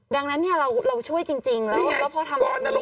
ดังนั้นเนี่ยเราช่วยจริงแล้วพอทำนรก